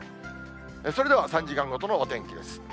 それでは３時間ごとのお天気です。